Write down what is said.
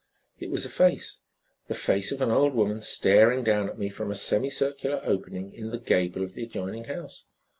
It was a face, the face of an old woman staring down at me from a semicircular opening in the gable of the adjoining house.